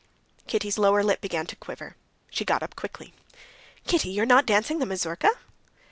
Kitty's lower lip began to quiver; she got up quickly. "Kitty, you're not dancing the mazurka?"